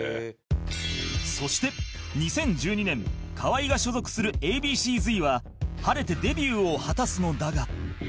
そして２０１２年河合が所属する Ａ．Ｂ．Ｃ−Ｚ は晴れてデビューを果たすのだが